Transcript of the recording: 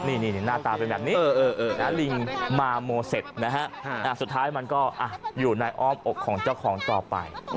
นี่หน้าตาเป็นแบบนี้ลิงมาโมเซ็ตนะฮะสุดท้ายมันก็อยู่ในอ้อมอกของเจ้าของต่อไป